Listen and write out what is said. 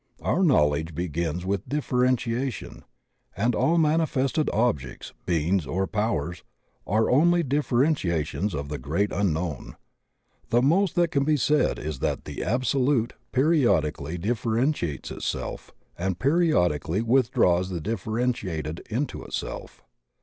Our knowledge begins with differentiation, and all manifested objects, beings, or powers are only dif ferentiations of the Great Unknown. The most that can be said is that the Absolute periodically differenti ates itself, and periodically withdraws the differenti ated into itself.